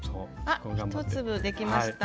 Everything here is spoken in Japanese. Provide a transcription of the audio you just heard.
あっ１粒できました。